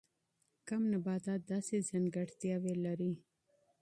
کم نباتات داسې ځانګړتیاوې لري.